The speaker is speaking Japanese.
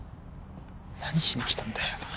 何しに来たんだよ